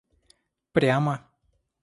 прямо